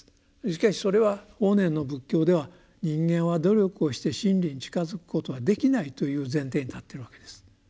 しかしそれは法然の仏教では人間は努力をして真理に近づくことはできないという前提に立ってるわけです。